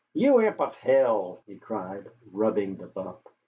"You imp of hell!" he cried, rubbing the bump.